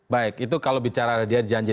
baik itu kalau bicara dia janji